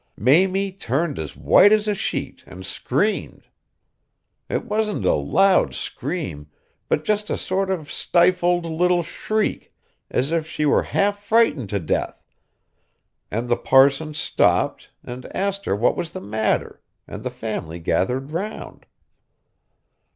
Mamie turned as white as a sheet and screamed. It wasn't a loud scream, but just a sort of stifled little shriek, as if she were half frightened to death; and the parson stopped, and asked her what was the matter, and the family gathered round.